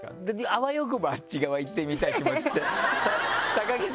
あわよくばあっち側行ってみたい気持ちって木さんどうですか？